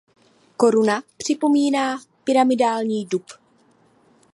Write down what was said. Koruna připomíná pyramidální dub.